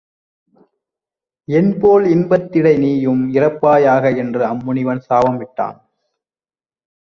என்போல் இன்பத்திடை நீயும் இறப்பாயாக என்று அம்முனிவன் சாபமிட்டான்.